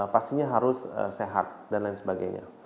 pastinya harus sehat dan lain sebagainya